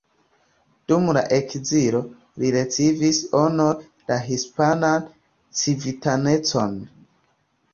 Dum la ekzilo li ricevis honore la hispanan civitanecon.